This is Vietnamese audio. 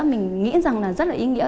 mình nghĩ rằng là rất là ý nghĩa